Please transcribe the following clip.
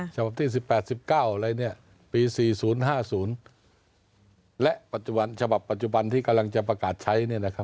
ฉบับที่๑๘๑๙ปี๔๐๕๐และฉบับปัจจุบันที่กำลังจะประกาศใช้